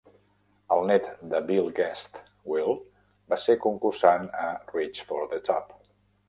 El net de Bill Guest, Will, va ser concursant a "Reach for the Top".